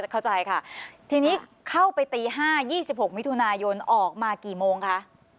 เข้าใจค่ะทีนี้เข้าไปตี๕๒๖มิถุนายนออกมากี่โมงคะ